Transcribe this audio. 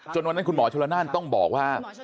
วันนั้นคุณหมอชนละนานต้องบอกว่า